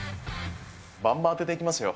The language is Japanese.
ばんばん当てていきますよ。